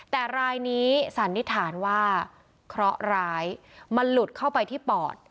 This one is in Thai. แต่รายนี้สันนิษฐานว่าเคราะห์ร้ายมันหลุดเข้าไปที่ปอด